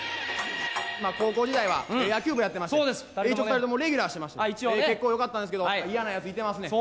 まあ高校時代は野球部やってまして一応２人ともレギュラーしてまして結構よかったんですけどイヤなヤツいてますねん。